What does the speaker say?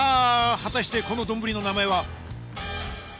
果たしてこの丼の名前は？